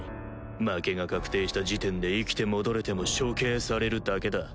負けが確定した時点で生きて戻れても処刑されるだけだ